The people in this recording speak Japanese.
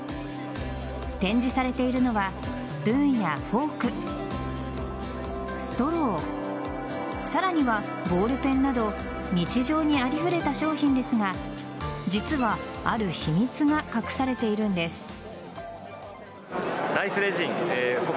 展示されているのはスプーンやフォークストローさらにはボールペンなど日常にありふれた商品ですが実はある秘密が隠されているんです。